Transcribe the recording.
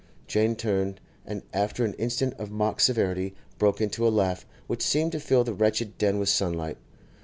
Jane turned, and after an instant of mock severity, broke into a laugh which seemed to fill the wretched den with sunlight.